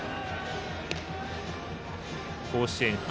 甲子園発